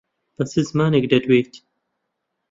بە چ زمانێک دەدوێیت؟